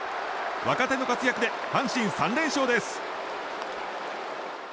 若手の活躍で阪神３連勝です。